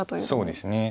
そうですね。